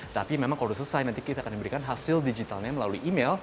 tapi memang kalau sudah selesai nanti kita akan diberikan hasil digitalnya melalui email